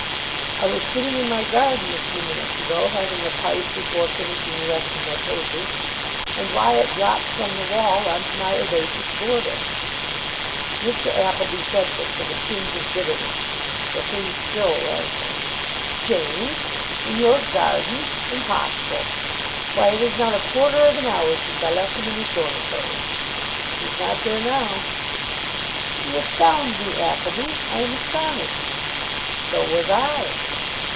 "I was sitting in my garden a few minutes ago, having a pipe before finishing the rest of my papers, and Wyatt dropped from the wall on to my herbaceous border." Mr. Appleby said this with a tinge of bitterness. The thing still rankled. "James! In your garden! Impossible. Why, it is not a quarter of an hour since I left him in his dormitory." "He's not there now." "You astound me, Appleby. I am astonished." "So was I."